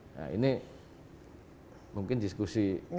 nah ini mungkin diskusi